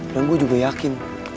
dan gue juga yakin